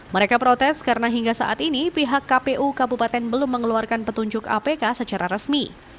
mereka protes karena hingga saat ini pihak kpu kabupaten belum mengeluarkan petunjuk apk secara resmi